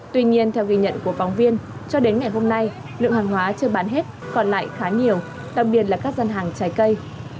tuy nhiên theo ghi nhận của phóng viên cho đến ngày hôm nay lượng hàng hóa chưa bán hết còn lại khá nhiều đặc biệt là các dân hàng trái cây